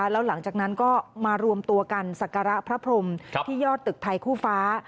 แล้วหลังจากนั้นก็มารวมตัวกันสักการะพระพรมที่ยอดตึกไทยคู่ฟ้า